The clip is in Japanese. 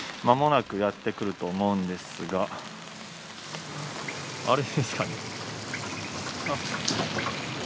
まもなくやってくると思うんですがあれですかね？